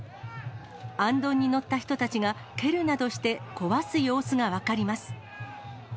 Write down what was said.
あんどんに乗った人たちが、蹴るなどして壊す様子が分かります。